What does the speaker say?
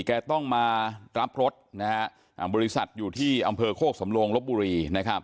แกต้องมารับรถบริษัทอยู่ที่อำเภอโคกสำโลงลบบุรี